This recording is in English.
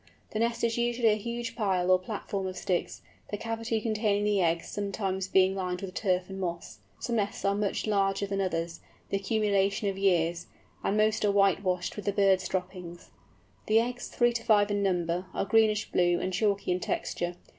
The nest is usually a huge pile or platform of sticks, the cavity containing the eggs sometimes being lined with turf and moss. Some nests are much larger than others, the accumulation of years, and most are whitewashed with the birds' droppings. The eggs—three to five in number—are greenish blue, and chalky in texture.